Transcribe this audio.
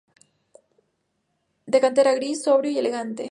De cantera gris, sobrio y elegante.